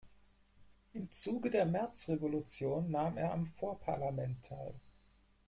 Im Zuge der Märzrevolution nahm er am Vorparlament teil.